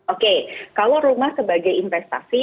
oke kalau rumah sebagai investasi